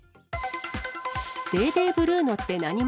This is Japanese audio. デーデー・ブルーノって何者？